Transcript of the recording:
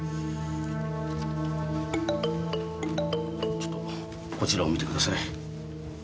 ちょっとこちらを見てください。